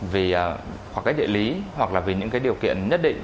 vì hoặc cái địa lý hoặc là vì những cái điều kiện nhất định